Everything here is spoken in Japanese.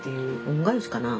恩返しかな